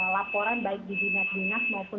laporan baik di dinas dinas maupun